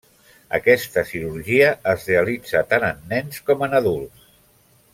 Aquesta cirurgia es realitza tant en nens com en adults.